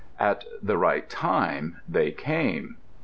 At the right time they came.